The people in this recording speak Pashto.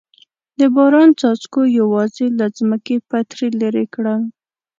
د باران څاڅکو یوازې له ځمکې پتري لرې کړل.